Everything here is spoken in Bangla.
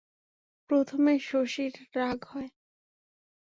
প্রথমে শশীর রাগ হয়।